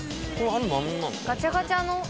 ガチャガチャの。